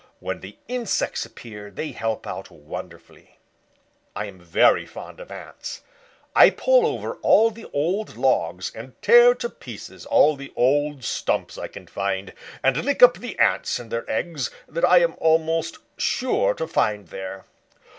When the insects appear they help out wonderfully. I am very fond of Ants. I pull over all the old logs and tear to pieces all the old stumps I can find, and lick up the Ants and their eggs that I am almost sure to find there.